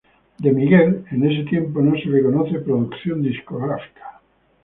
De Miguel en ese tiempo no se le conoce producción discográfica.